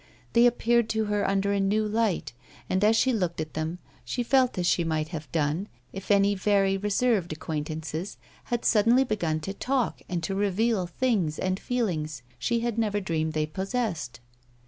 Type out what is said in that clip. They appeared to her under a new light, and as she looked at them she felt as she might have done if any very reserved acquaintances had suddenly begun to talk and to reveal thoughts and feelings she had never dreamed they possessed.